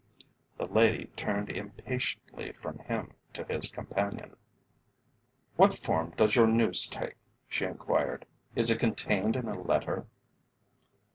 The lady turned impatiently from him to his companion. "What form does your news take?" she enquired. "Is it contained in a letter?"